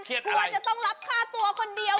เครียดอะไรกลัวจะต้องรับค่าตัวคนเดียว